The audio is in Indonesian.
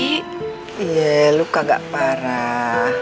iya lu kagak parah